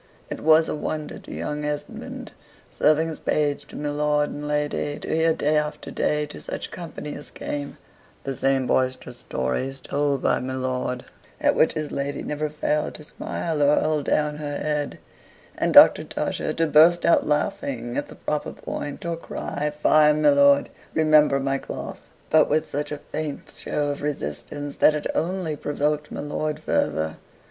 It was a wonder to young Esmond, serving as page to my lord and lady, to hear, day after day, to such company as came, the same boisterous stories told by my lord, at which his lady never failed to smile or hold down her head, and Doctor Tusher to burst out laughing at the proper point, or cry, "Fie, my lord, remember my cloth!" but with such a faint show of resistance, that it only provoked my lord further.